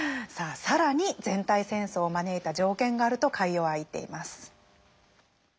さあ更に全体戦争を招いた条件があるとカイヨワは言っています。